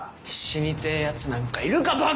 死にてえやつなんかいるかバカ野郎！